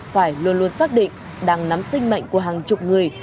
phải luôn luôn xác định đang nắm sinh mạnh của hàng chục người